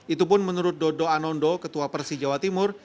itu pun menurut dodo anondo ketua persi jawa timur